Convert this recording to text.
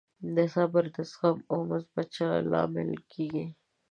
صبر د زغم او مثبت چلند لامل کېږي.